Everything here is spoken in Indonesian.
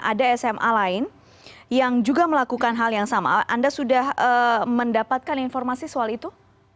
ada sma lain yang juga melakukan hal yang sama anda sudah mendapatkan informasi soal itu